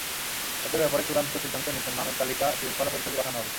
এঁদের ব্যাপারে চূড়ান্ত সিদ্ধান্ত নিতে নামের তালিকা শৃঙ্খলা পরিষদে পাঠানো হবে।